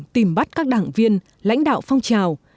tìm bắt các đảng viên lãnh đạo phong trào